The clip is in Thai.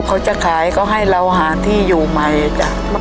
เขาจะขายเขาให้เราหาที่อยู่ใหม่จ้ะ